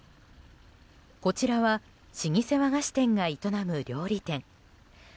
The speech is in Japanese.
こちらは老舗和菓子店が営む料理店。